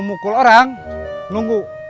memukul orang nunggu